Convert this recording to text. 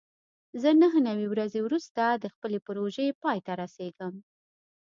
زه نهه نوي ورځې وروسته د خپلې پروژې پای ته رسېږم.